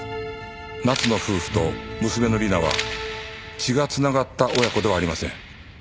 夏野夫婦と娘の理奈は血が繋がった親子ではありません。